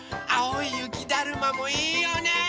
あおいゆきだるまもいいよね！